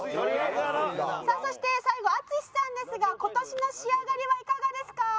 さあそして最後淳さんですが今年の仕上がりはいかがですか？